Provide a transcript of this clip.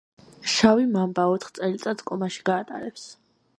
შავი მამბა ოთხ წელიწადს კომაში გაატარებს.